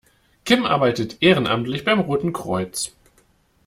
Kim arbeitet ehrenamtlich beim Roten Kreuz.